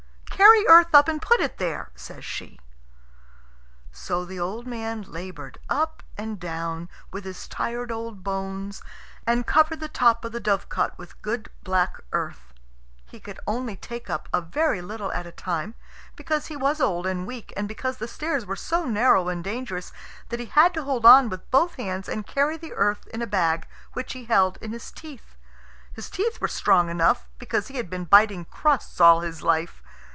"Carry earth up and put it there," says she. So the old man laboured up and down with his tired old bones, and covered the top of the dovecot with good black earth. He could only take up a very little at a time, because he was old and weak, and because the stairs were so narrow and dangerous that he had to hold on with both hands and carry the earth in a bag which he held in his teeth. His teeth were strong enough, because he had been biting crusts all his life.